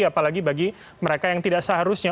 apalagi bagi mereka yang tidak seharusnya